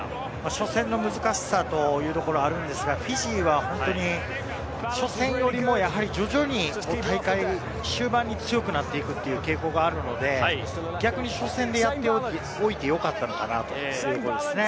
初戦の難しさというところはあるんですが、フィジーは本当に初戦よりもやはり徐々に大会終盤に強くなっていくという傾向があるので、逆に初戦でやっておいて、よかったのかなということですね。